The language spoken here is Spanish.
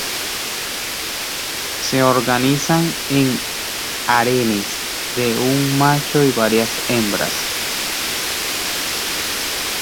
Se organizan en harenes de un macho y varias hembras.